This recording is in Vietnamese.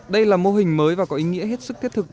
đây là mô hình mới và có ý nghĩa hết sức thiết thực